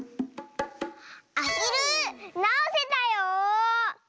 アヒルなおせたよ！